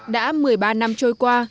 đã một mươi ba năm trôi qua